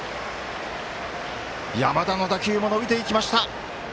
山田の打球は伸びていきました。